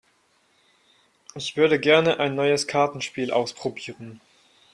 Ich würde gerne ein neues Kartenspiel ausprobieren.